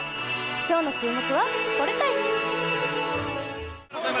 今日の注目は、これたい！